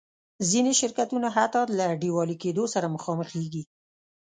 ځینې شرکتونه حتی له ډیوالي کېدو سره مخامخېږي.